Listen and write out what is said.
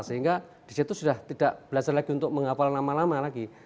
sehingga disitu sudah tidak belajar lagi untuk menghafal nama nama lagi